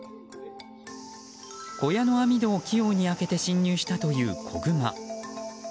小屋の網戸を器用に開けて侵入したという子グマ。